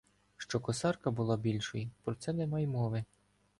Що Косарка була більшою, про це нема й мови.